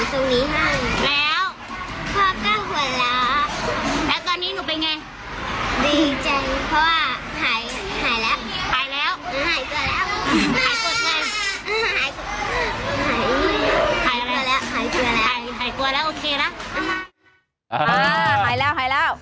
หายก่วนแล้วโอเคนะ